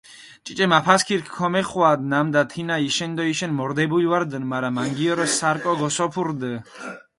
ჭიჭე მაფასქირქ ქომეხვადჷ, ნამდა თინა იშენდოიშენ მორდებული ვარდუნ, მარა მანგიორო სარკო გოსოფური რდჷ.